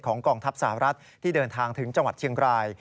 กองทัพสหรัฐที่เดินทางถึงจังหวัดเชียงราย